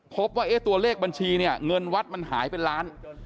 พบว่าตัวเลขบัญชีเนี่ยเงินวัดมันหายเป็นล้าน